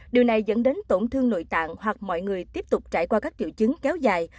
điều này dẫn đến tổn thương nội tạng hoặc mọi người tiếp tục trải qua các triệu chứng kéo dài